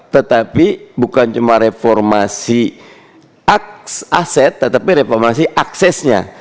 tetapi bukan cuma reformasi aset tetapi reformasi aksesnya